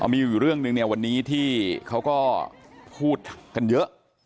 มีอยู่เรื่องหนึ่งวันนี้ที่เขาก็พูดกันเยอะ